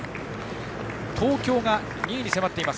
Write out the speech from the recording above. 東京が２位に迫っています。